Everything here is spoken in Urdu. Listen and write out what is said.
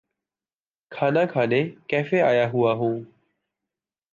کھانا کھانے کیفے آیا ہوا ہوں۔